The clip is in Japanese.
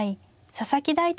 佐々木大地